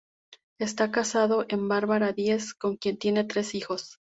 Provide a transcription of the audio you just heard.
Está casado con Bárbara Díez, con quien tiene tres hijas.